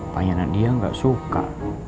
papahnya nadia gak suka